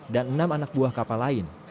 dan enam anak buah kapal lain